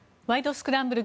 スクランブル」